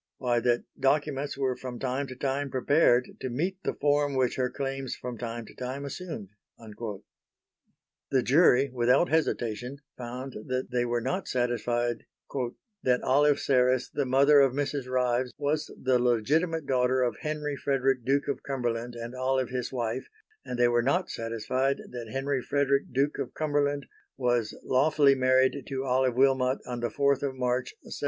Why, that documents were from time to time prepared to meet the form which her claims from time to time assumed." The jury, without hesitation, found that they were not satisfied "that Olive Serres, the mother of Mrs. Ryves, was the legitimate daughter of Henry Frederick Duke of Cumberland and Olive his wife; and they were not satisfied that Henry Frederick, Duke of Cumberland, was lawfully married to Olive Wilmot on the 4th of March 1767...."